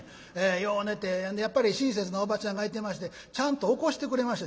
よう寝てやっぱり親切なおばちゃんがいてましてちゃんと起こしてくれまして。